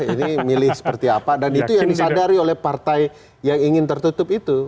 ini milih seperti apa dan itu yang disadari oleh partai yang ingin tertutup itu